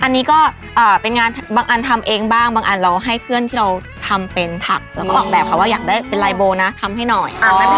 อันนี้ก็เป็นงานบางอันทำเองบ้างบางอันเราให้เพื่อนที่เราทำเป็นผักแล้วก็ออกแบบค่ะว่าอยากได้เป็นลายโบนะทำให้หน่อย